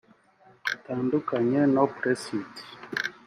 bitandukanye no Press It